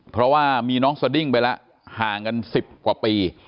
เพราะว่ามีน้องสดิ้งไปแล้วห่างกัน๑๐กว่าปี